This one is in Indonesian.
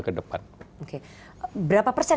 ke depan oke berapa persen